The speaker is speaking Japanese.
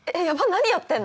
何やってんの？